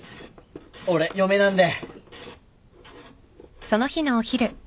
俺嫁なんで。